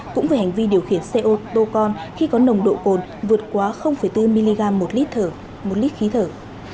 cũng vì hành vi điều khiển xe ô tô con khi có nồng độ cồn vượt quá bốn mg một lít khí thở